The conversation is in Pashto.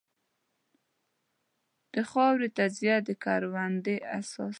د خاورې تجزیه د کروندې اساس دی.